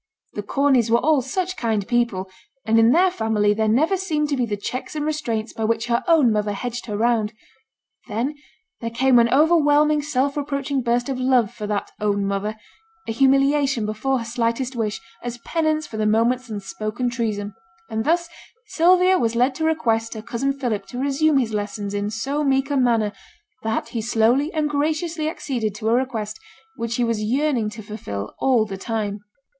The Corneys were all such kind people, and in their family there never seemed to be the checks and restraints by which her own mother hedged her round. Then there came an overwhelming self reproaching burst of love for that 'own mother'; a humiliation before her slightest wish, as penance for the moment's unspoken treason; and thus Sylvia was led to request her cousin Philip to resume his lessons in so meek a manner, that he slowly and graciously acceded to a request which he was yearning to fulfil all the time.